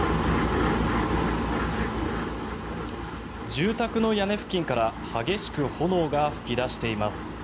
住宅の屋根付近から激しく炎が噴き出しています。